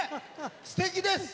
すてきです！